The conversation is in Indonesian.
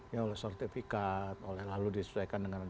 ya oleh sertifikat oleh lalu disesuaikan dengan